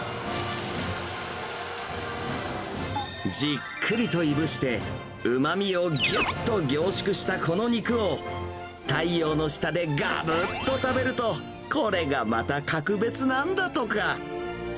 じっくりといぶして、うまみをぎゅっと凝縮したこの肉を、太陽の下でがぶっと食べると、これがまた格別なんだとか。